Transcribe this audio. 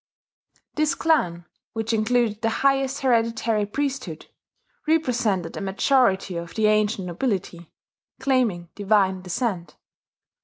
This clan, which included the highest hereditary priesthood, represented a majority of the ancient nobility, claiming divine descent.